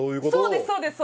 そうですそうです。